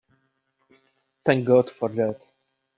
Thank God for that!